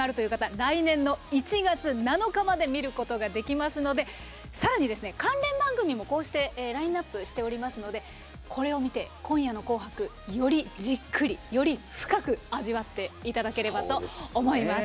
来年の１月７日まで見ることができますのでさらに、関連番組もラインナップしておりますのでこれを見て、今夜の「紅白」よりじっくり、より深く味わっていただければと思います。